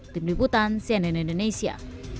tim liputan cnn indonesia